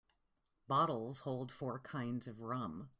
Bottles hold four kinds of rum.